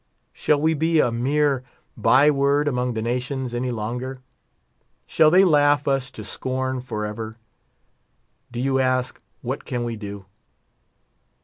Shall we be a mere by word among the nations any longer? Shall they laugh us to scorn forever? Do you ask, what can we do?